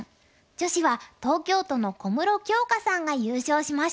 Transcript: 女子は東京都の小室杏花さんが優勝しました。